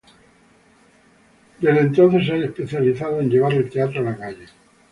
Desde entonces se ha especializado en llevar el teatro a la calle.